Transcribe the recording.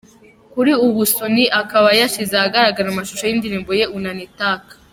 Kuri ubu Sunny akaba yashyize ahagaragara amashusho y’indirimbo ye ‘Unanitaka’.